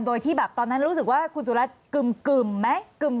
โดยที่แบบตอนนั้นรู้สึกว่าคุณสุรัตน์กึ่มไหม